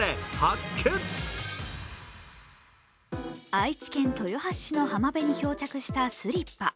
愛知県豊橋市の浜辺に漂着したスリッパ。